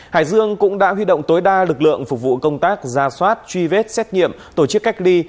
hải dương cũng đã huy động tối đa lực lượng phục vụ công tác ra soát truy vết xét nghiệm tổ chức cách ly